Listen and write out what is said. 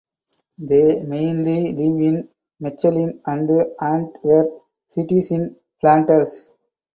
They mainly live in Mechelen and Antwerp (cities in Flanders).